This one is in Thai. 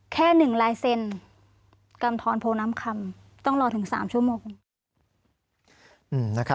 แค่๑ลายเซ็นกำทรโพน้ำคำต้องรอถึง๓ชั่วโมง